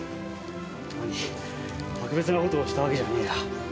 なに特別な事をしたわけじゃねえら。